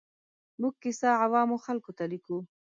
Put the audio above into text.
موږ کیسه عوامو خلکو ته لیکو.